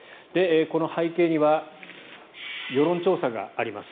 この背景には世論調査があります。